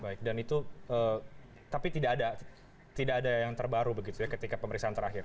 baik dan itu tapi tidak ada yang terbaru begitu ya ketika pemeriksaan terakhir